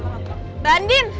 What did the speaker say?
masa kamu denger ya